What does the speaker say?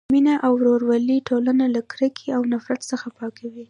مینه او ورورولي ټولنه له کرکې او نفرت څخه پاکوي.